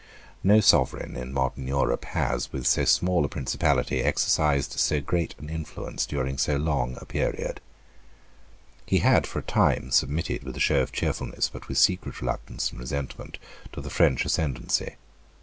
No sovereign in modern Europe has, with so small a principality, exercised so great an influence during so long a period. He had for a time submitted, with a show of cheerfulness, but with secret reluctance and resentment, to the French ascendency.